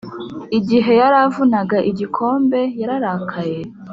igihe yaravunaga igikombe, yararakaye.